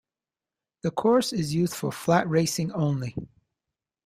The course is used for flat racing only.